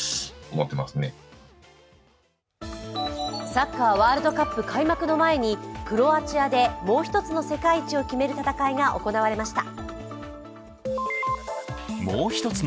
サッカーワールドカップ開幕の前にクロアチアでもう一つの世界一を決める戦いが行われました。